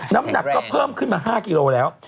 น้ำหนักก็เพิ่มขึ้นมา๕กิโลแล้ว